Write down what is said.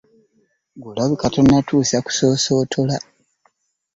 Ggwe olabika tonnatuusa kusoosootola.